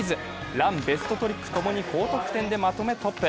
ラン、ベストトリックともに高得点でまとめ、トップ。